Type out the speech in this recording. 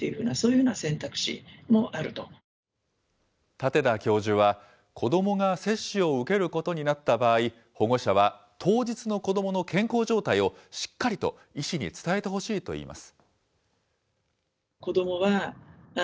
舘田教授は、子どもが接種を受けることになった場合、保護者は、当日の子どもの健康状態をしっかりと医師に伝えてほしいといいます。